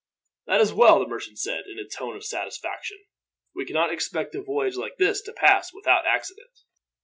"That is well," the merchant said, in a tone of satisfaction. "We cannot expect a voyage like this to pass without accident.